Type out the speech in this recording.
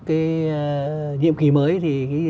cái nhiệm kỳ mới thì